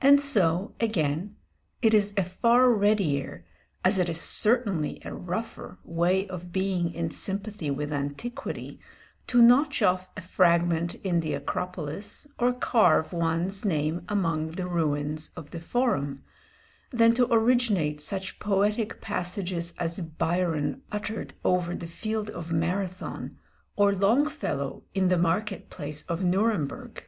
And so, again, it is a far readier, as it is certainly a rougher, way of being in sympathy with antiquity, to notch off a fragment in the Acropolis, or carve one's name among the ruins of the Forum, than to originate such poetic passages as Byron uttered over the field of Marathon, or Longfellow in the market place of Nuremburg.